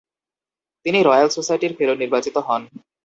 তিনি রয়্যাল সোসাইটির ফেলো নির্বাচিত হন।